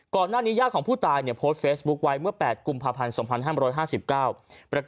ก่อนหน้านี้ยาของผู้ตายโพสต์เฟสบุ๊คไว้เมื่อ๘กภพ๒๕๕๙